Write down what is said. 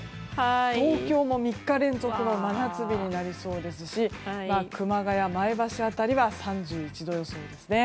東京も３日連続の真夏日になりそうですし熊谷、前橋辺りは３１度予想ですね。